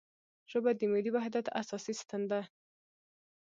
ژبه د ملي وحدت اساسي ستن ده